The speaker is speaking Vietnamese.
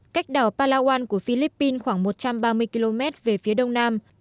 cách đảo palawan của philippines khoảng một trăm ba mươi km về phía đông nam